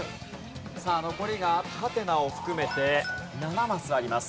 さあ残りがハテナを含めて７マスあります。